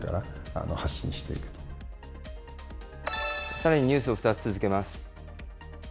さらにニュースを２つ続けます。